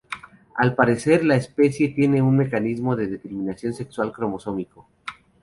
Al parecer la especie tiene un mecanismo de determinación sexual cromosómico.